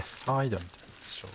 では見てみましょう。